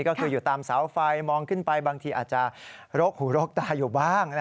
ก็คืออยู่ตามเสาไฟมองขึ้นไปบางทีอาจจะรกหูรกตาอยู่บ้าง